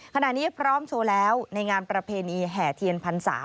ขณะนี้พร้อมโชว์แล้วในงานประเพณีแห่เทียนพรรษา